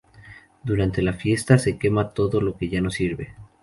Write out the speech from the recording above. Durante la fiesta se quema todo lo que ya no sirve.